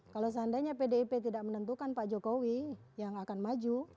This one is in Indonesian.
kalau seandainya pdip tidak menentukan pak jokowi yang akan maju